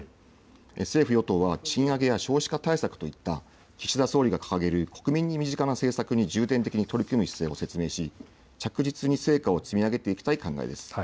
政府、与党は賃上げや少子化対策といった岸田総理が掲げる国民に身近な政策に重点的に取り組む姿勢を示し、着実に成果を積み上げていきたい考えです。